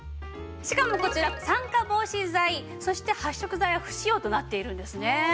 しかもこちら酸化防止剤そして発色剤は不使用となっているんですね。